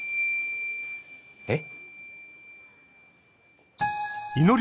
えっ？